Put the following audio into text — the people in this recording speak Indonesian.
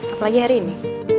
apalagi hari ini